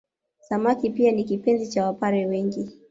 Samaki pia ni kipenzi cha Wapare wengi